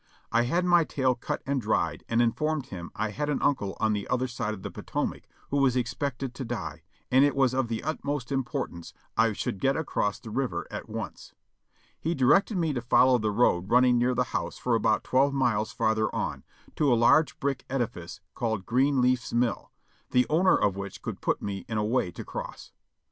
I had my tale cut and dried and informed him I had an uncle on the other side of the Potomac who was expected to die, and it was of the utmost importance I should get across the river at once. He directed me to follow the road running near the house for about twelve miles farther on, to a large brick edifice called Greenleaf's Mill, the owner of which could put me in a way to cross.